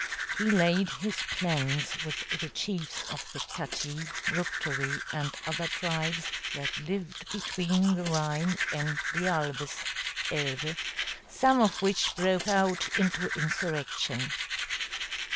He laid his plans with the chiefs of the Catti, Bructeri, and other tribes that lived between the Rhine and the Albis (Elbe), some of which broke out into insurrection.